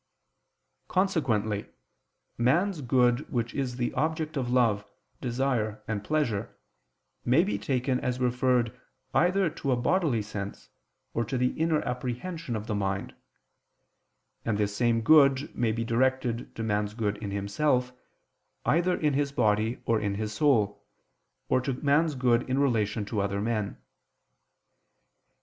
Consequently man's good which is the object of love, desire and pleasure, may be taken as referred either to a bodily sense, or to the inner apprehension of the mind: and this same good may be directed to man's good in himself, either in his body or in his soul, or to man's good in relation to other men.